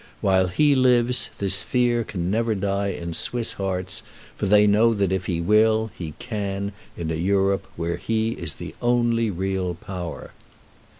While he lives this fear can never die in Swiss hearts, for they know that if he will, he can, in a Europe where he is the only real power.